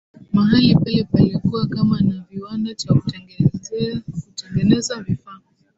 mahali pale palikuwa kama na viwanda cha kutengeneza vifaa